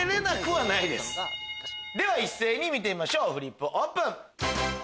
では一斉に見てみましょうフリップオープン！